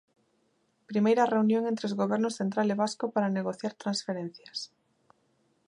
Primeira reunión entre os gobernos central e vasco para negociar transferencias.